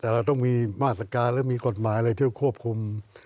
แต่จะต้องมีมาตรศักดิ์และมีกฎหมายอะไรที่ควบคุม